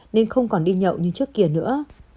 nên không còn đi nhậu như trước kia nữa